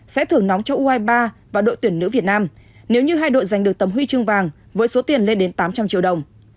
sẽ thưởng nóng cho u hai mươi ba và đội tuyển nữ việt nam nếu như hai đội giành được tấm huy chương vàng với số tiền lên đến tám trăm linh triệu đồng